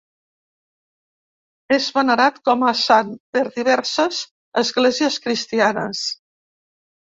És venerat com a sant per diverses esglésies cristianes.